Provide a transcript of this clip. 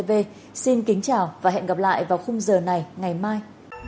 và hẹn gặp lại vào khung giờ này ngày mai